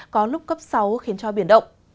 có lúc cấp sáu khiến cho biển động